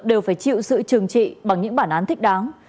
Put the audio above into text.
đều phải chịu sự trừng trị bằng những bản án thích đáng